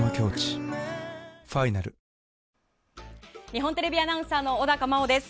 日本テレビアナウンサーの小高茉緒です。